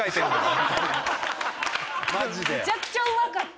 めちゃくちゃうまかった。